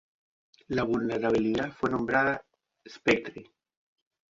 La vulnerabilidad fue nombrada Spectre.